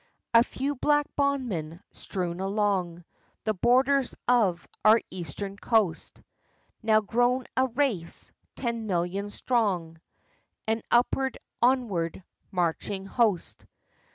A few black bondmen strewn along The borders of our eastern coast, Now grown a race, ten million strong, An upward, onward marching host.